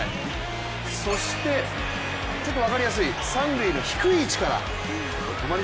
そして、ちょっと分かりやすい三塁の低い位置から。